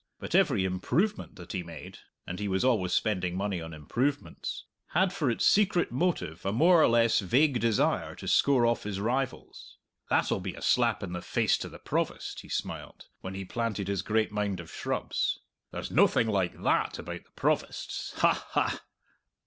But every improvement that he made and he was always spending money on improvements had for its secret motive a more or less vague desire to score off his rivals. "That'll be a slap in the face to the Provost!" he smiled, when he planted his great mound of shrubs. "There's noathing like that about the Provost's! Ha, ha!"